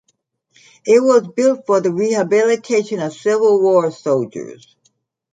It was built for the rehabilitation of Civil War soldiers.